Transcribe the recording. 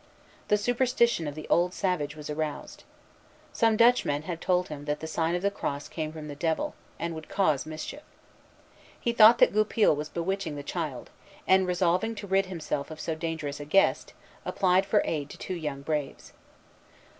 The superstition of the old savage was aroused. Some Dutchmen had told him that the sign of the cross came from the Devil, and would cause mischief. He thought that Goupil was bewitching the child; and, resolving to rid himself of so dangerous a guest, applied for aid to two young braves.